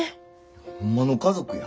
ホンマの家族や。